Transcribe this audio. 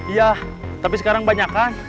iya tapi sekarang banyak kan